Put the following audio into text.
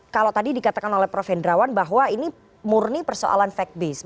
kalau tadi dikatakan oleh prof hendrawan bahwa ini murni persoalan fact base